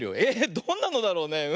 えどんなのだろうね？